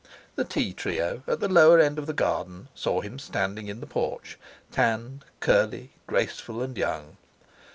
The tea trio, at the lower end of the garden, saw him standing in the porch, tanned, curly, graceful, and young.